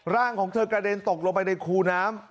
ร่างของเธอกระเด็นตกลงไปในคูน้ำ